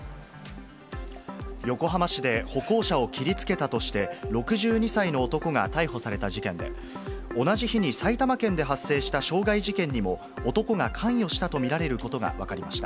横浜市で歩行者を切りつけたとして、６２歳の男が逮捕された事件で、同じ日に埼玉県で発生した傷害事件にも、男が関与したと見られることが分かりました。